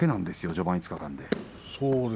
序盤５日間で。